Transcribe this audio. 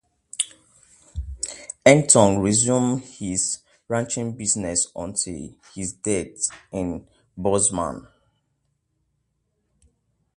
Ecton resumed his ranching business until his death in Bozeman.